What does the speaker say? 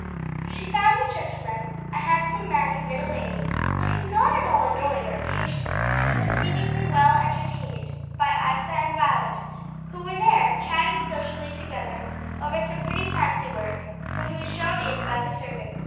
She found the gentleman a handsome man of middle age looking not at all annoyed or impatient, but seemingly well entertained by Isa and Violet, who were there, chatting sociably together over some pretty fancy work, when he was shown in by the servant.